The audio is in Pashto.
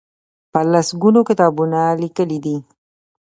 په لس ګونو کتابونه لیکلي دي.